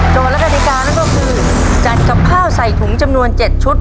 และกฎิกานั่นก็คือจัดกับข้าวใส่ถุงจำนวน๗ชุด